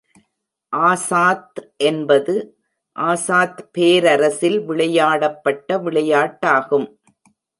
ஆசாத் என்பது ஆசாத் பேரரசில் விளையாடப்பட்ட விளையாட்டாகும்.